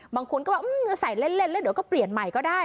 บางคนก็บอกใส่เล่นแล้วเดี๋ยวก็เปลี่ยนใหม่ก็ได้